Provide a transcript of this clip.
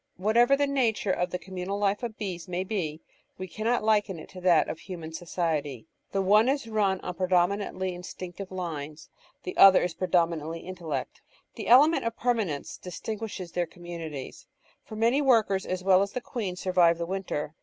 Whatever the nature of the communal life of bees may be, we cannot liken it to that of human society. The one is run on predominantly instinctive lines, the other is predominantly intelligent. An element of permanence distinguishes their communities, for many workers as well as the queen survive the winter.